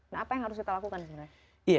nah apa yang harus kita lakukan sebenarnya